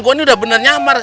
gua ini udah bener nyamar